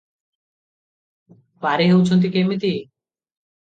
ପାରି ହେଉଛନ୍ତି କିମିତି?